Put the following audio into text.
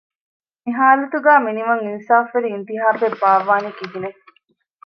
މި ހާލަތުގައި މިނިވަން އިންސާފުވެރި އިންތިހާބެއް ބާއްވާނީ ކިހިނެއް؟